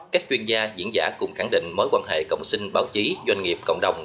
các chuyên gia diễn giả cùng khẳng định mối quan hệ cộng sinh báo chí doanh nghiệp cộng đồng